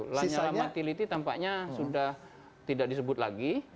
lainnya lama tility tampaknya sudah tidak disebut lagi